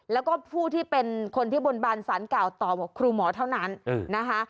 แล้วก็ผู้ที่เป็นคนที่บนบานสารเก่าต่อบอกครูหมอเท่านั้นนะคะ